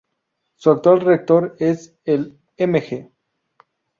Su actual rector es el Mg.